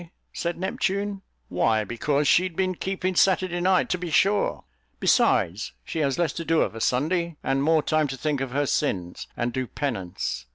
said Neptune, "why, because she'd been keeping Saturday night, to be sure; besides, she has less to do of a Sunday, and more time to think of her sins, and do penance."